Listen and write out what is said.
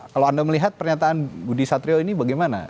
kalau anda melihat pernyataan budi satrio ini bagaimana